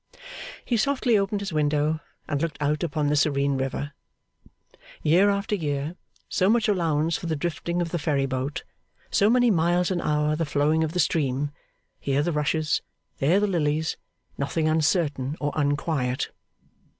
He softly opened his window, and looked out upon the serene river. Year after year so much allowance for the drifting of the ferry boat, so many miles an hour the flowing of the stream, here the rushes, there the lilies, nothing uncertain or unquiet.